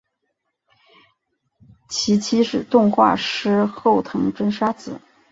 其妻是动画师后藤真砂子。